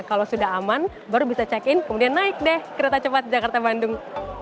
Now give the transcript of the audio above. kalau sudah aman baru bisa check in kemudian naik deh kereta cepat jakarta bandung